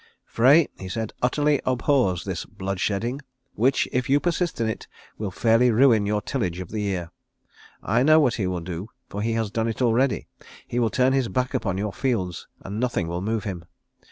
"Frey," he said, "utterly abhors this bloodshedding, which, if you persist in it, will fairly ruin your tillage of the year. I know what he will do, for he has done it already. He will turn his back upon your fields, and nothing will move him.